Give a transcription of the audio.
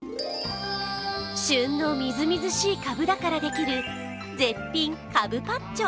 旬のみずみずしいかぶだからできる絶品かぶパッチョ。